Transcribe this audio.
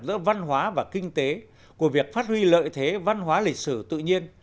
giữa văn hóa và kinh tế của việc phát huy lợi thế văn hóa lịch sử tự nhiên